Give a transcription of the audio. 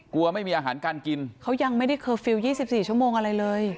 กลัวไม่มีอาหารการกินเขายังไม่ได้เคอร์ฟิลล์๒๔ชั่วโมงอะไรเลย